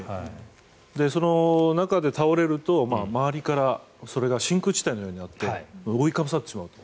その中で倒れると周りからそれが真空地帯のようになって覆いかぶさってしまうと。